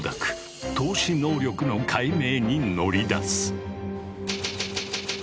透視能力の解明に乗り出す。